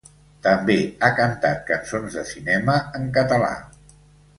També ha cantat cançons de cinema en català.